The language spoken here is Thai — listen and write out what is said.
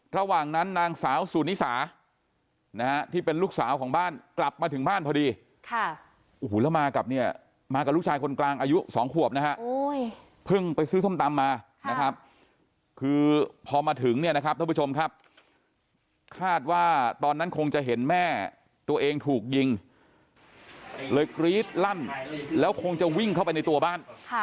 ระหว่างนั้นนางสาวสุนิสานะฮะที่เป็นลูกสาวของบ้านกลับมาถึงบ้านพอดีค่ะโอ้โหแล้วมากับเนี่ยมากับลูกชายคนกลางอายุ๒ขวบนะฮะเพิ่งไปซื้อส้มตำมานะครับคือพอมาถึงเนี่ยนะครับท่านผู้ชมครับคาดว่าตอนนั้นคงจะเห็นแม่ตัวเองถูกยิงเลยกรี๊ดลั่นแล้วคงจะวิ่งเข้าไปในตัวบ้าน